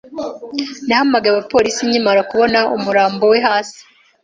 Nahamagaye abapolisi nkimara kubona umurambo we hasi.